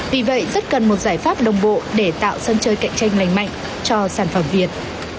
vì vậy rất cần một giải pháp đồng bộ để tạo sân chơi cạnh tranh lành mạnh cho sản phẩm việt